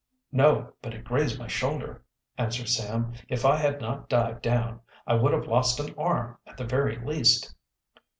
"No, but it grazed my shoulder," answered Sam. "If I had not dived down, I would have lost an arm at the very least."